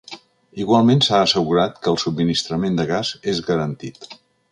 Igualment s’ha assegurat que el subministrament de gas és garantit.